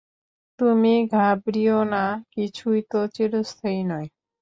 তুমি ঘাবড়িও না, কিছুই তো চিরস্থায়ী নয়।